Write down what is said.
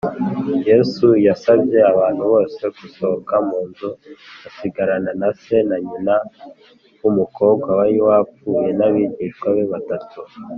yesu yasabye abantu bose gusohoka mu nzu, asigarana na se na nyina b’umukobwa wari wapfuye, n’abigishwa be batatu